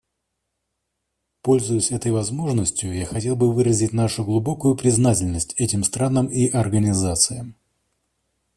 Пользуясь этой возможностью, я хотел бы выразить нашу глубокую признательность этим странам и организациям.